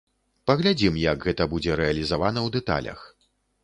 Паглядзім, як гэта будзе рэалізавана ў дэталях.